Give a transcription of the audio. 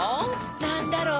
なんだろう？